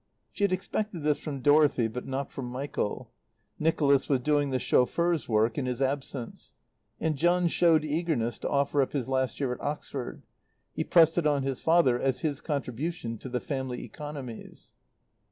She had expected this from Dorothy, but not from Michael. Nicholas was doing the chauffeur's work in his absence; and John showed eagerness to offer up his last year at Oxford; he pressed it on his father as his contribution to the family economies.